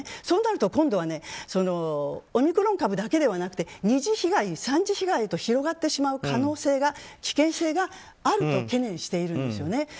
そうなると今度はオミクロン株だけでなくて２次被害、３次被害とつながってしまう可能性があると懸念しているんですよね。